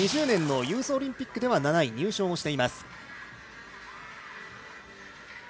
２０２０年のユースオリンピックでは７位入賞しています。